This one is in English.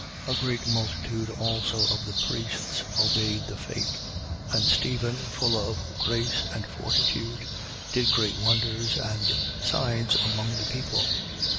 A great multitude also of the priests obeyed the faith. 6:8. And Stephen, full of grace and fortitude, did great wonders and signs among the people.